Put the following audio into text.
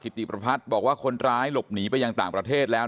ติประพัฒน์บอกว่าคนร้ายหลบหนีไปยังต่างประเทศแล้ว